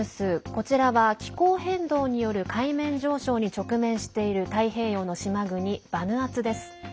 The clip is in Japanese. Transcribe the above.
こちらは気候変動による海面上昇に直面している太平洋の島国バヌアツです。